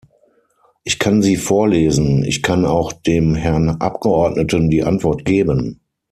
Ich kann sie vorlesen, ich kann auch dem Herrn Abgeordneten die Antwort geben.